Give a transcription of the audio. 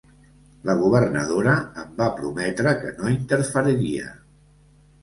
La governadora em va prometre que no interferiria.